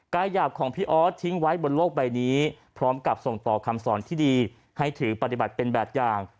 หยาบของพี่ออสทิ้งไว้บนโลกใบนี้พร้อมกับส่งต่อคำสอนที่ดีให้ถือปฏิบัติเป็นแบบอย่าง